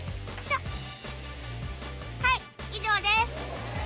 はい以上です。